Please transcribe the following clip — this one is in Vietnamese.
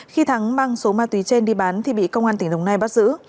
khi thắng mang số ma túy trên đi bán thì bị công an tỉnh đồng nai bắt giữ